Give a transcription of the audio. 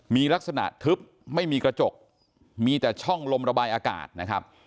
มีลักษณะทึบไม่มีกระจกมีแต่ช่องลมระบายอากาศนะครับ